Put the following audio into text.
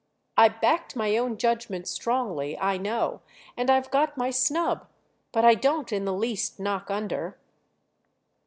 "I backed my own judgment strongly, I know—and I've got my snub. But I don't in the least knock under."